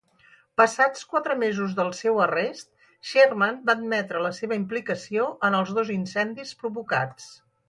Passats quatre mesos del seu arrest, Sherman va admetre la seva implicació en els dos incendis provocats.